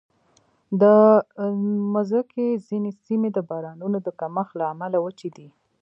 د مځکې ځینې سیمې د بارانونو د کمښت له امله وچې دي.